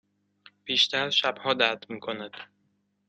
بیشتر شبها درد می کند.